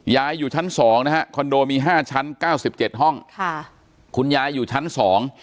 อยู่ชั้นสองนะฮะคอนโดมีห้าชั้นเก้าสิบเจ็ดห้องค่ะคุณยายอยู่ชั้นสอง